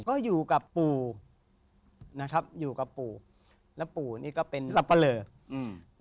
ก็อยู่กับปู่นะครับอยู่กับปู่แล้วปู่นี่ก็เป็นสับปะเลออืม